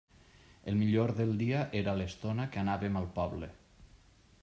El millor del dia era l'estona que anàvem al poble.